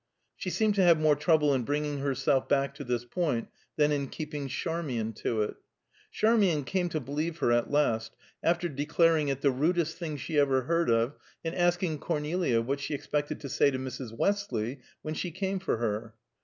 She seemed to have more trouble in bringing herself back to this point than in keeping Charmian to it. Charmian came to believe her at last, after declaring it the rudest thing she ever heard of, and asking Cornelia what she expected to say to Mrs. Westley when she came for her.